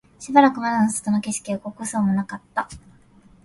しばらく窓の外の景色は動きそうもなかった